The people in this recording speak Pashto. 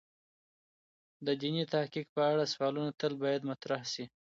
د دیني تحقیق په اړه سوالونه تل باید مطرح شی.